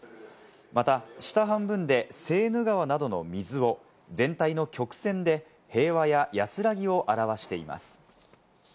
また、下半分でセーヌ川などの水を全体の曲線で平和や安らぎを表しています。